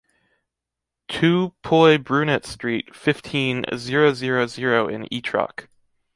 two Puy Brunet Street, fifteen, zero zero zero in Ytrac